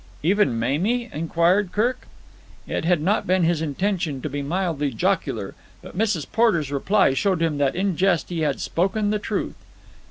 "Even Mamie?" inquired Kirk. It had been his intention to be mildly jocular, but Mrs. Porter's reply showed him that in jest he had spoken the truth.